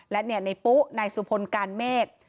และเนี่ยในปุ๊ะนายสุภนธ์การเมฆ